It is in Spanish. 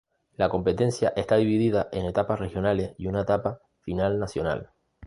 La competencia está dividida en etapas regionales y una etapa final nacional.